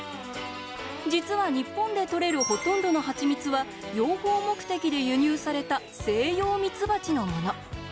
実は、日本でとれるほとんどのハチミツは養蜂目的で輸入されたセイヨウミツバチのもの。